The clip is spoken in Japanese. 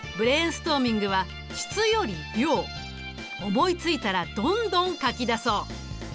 思いついたらどんどん書き出そう。